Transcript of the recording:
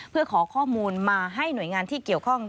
เพื่อขอข้อมูลมาให้หน่วยงานที่เกี่ยวข้อง